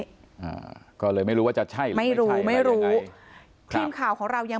อ่าก็เลยไม่รู้ว่าจะใช่หรือไม่รู้ไม่รู้ทีมข่าวของเรายัง